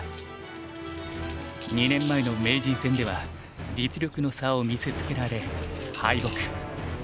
２年前の名人戦では実力の差を見せつけられ敗北。